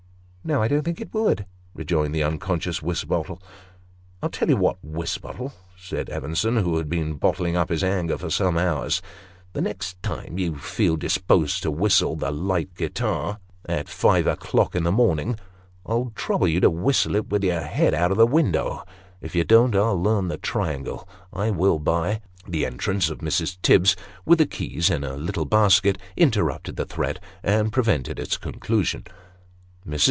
" No ; I don't think it would," rejoined the unconscious Wisbottle. " I'll tell you what, Wisbottle," said Evenson, who had been bottling up his anger for some hours " the next time you feel disposed to whistle ' The Light Guitar ' at five o'clock in the morning, I'll trouble you to whistle it with your head out o' window. If you don't, I'll learn the triangle I will, by " The entrance of Mrs. Tibbs (with the keys in a little basket) interrupted the threat, and prevented its conclusion. Mrs.